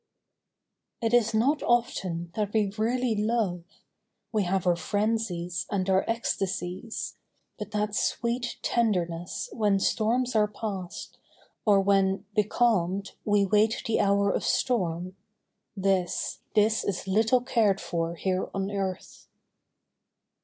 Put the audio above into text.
IT is not often that we really love : We have our frenzies and our ecstasies, But that sweet tenderness when storms are past, Or when, becalmed, we wait the hour of storm, This, this is little cared for here on earth